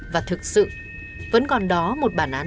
và thực sự vẫn còn đó một bản án